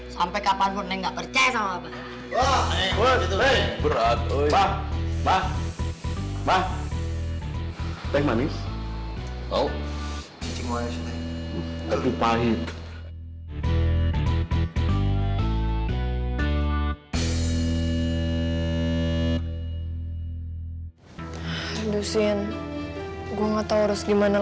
sampai kapanpun neng gak percaya sama abah